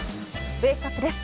ウェークアップです。